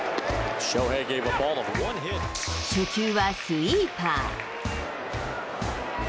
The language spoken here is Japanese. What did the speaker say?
初球はスイーパー。